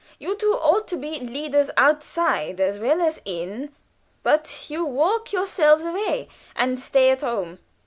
You two ought to be leaders outside as well as in, but you walk yourselves away, and stay at home!